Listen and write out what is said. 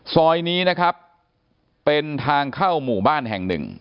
ซอยนี้นะครับเป็นทางเข้าหมู่บ้านแห่งหนึ่ง